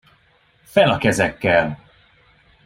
Fel a kezekkel!